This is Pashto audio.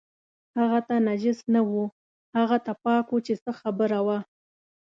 هغه ته نجس نه و، هغه ته پاک و چې څه خبره وه.